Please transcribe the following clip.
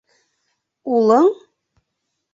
Улың?!